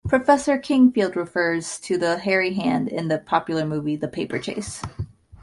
Professor Kingsfield refers to the "Hairy Hand" in the popular movie "The Paper Chase".